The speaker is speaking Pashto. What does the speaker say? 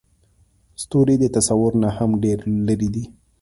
ستوري د تصور نه هم ډېر لرې دي.